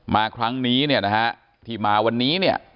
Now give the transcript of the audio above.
มาครั้งนี้เนี่ยนะฮะที่มาวันนี้เนี่ย